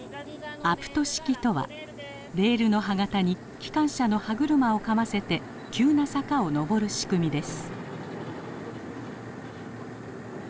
アプト式とはレールの歯形に機関車の歯車をかませて急な坂を上る仕組みです。